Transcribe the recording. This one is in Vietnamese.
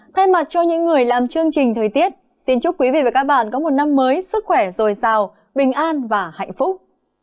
thay mặt cho những người làm chương trình thời tiết xin chúc quý vị và các bạn có một năm mới sức khỏe dồi dào bình an và hạnh phúc